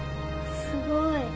すごい。